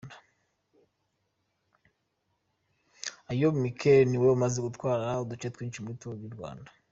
Eyob Metkel niwe umaze gutwara uduce twinshi muri Tour du Rwanda.